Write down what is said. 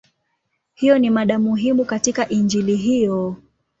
Hiyo ni mada muhimu katika Injili hiyo.